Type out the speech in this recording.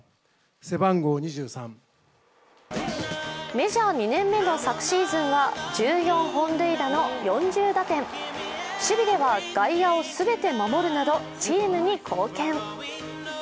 メジャー２年目の昨シーズンは１４本塁打の４０打点、守備では外野を全て守るなどチームに貢献。